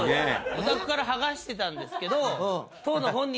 オタクからはがしてたんですけど。